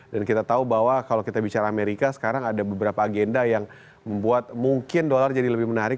dan kita tahu bahwa kalau kita bicara amerika sekarang ada beberapa agenda yang membuat mungkin dolar jadi lebih menarik